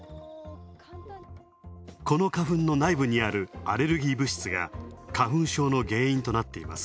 この花粉の内部にあるアレルギー物質が花粉症の原因となっています。